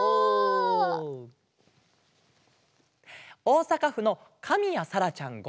おおさかふのかみやさらちゃん５さいから。